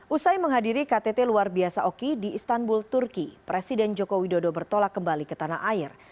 usai menghadiri ktt luar biasa oki di istanbul turki presiden joko widodo bertolak kembali ke tanah air